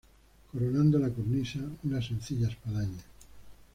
Coronando la cornisa, una sencilla espadaña.